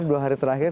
dua hari terakhir